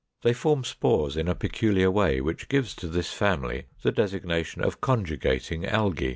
They form spores in a peculiar way, which gives to this family the designation of conjugating Algæ.